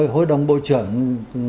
hội đồng bộ trưởng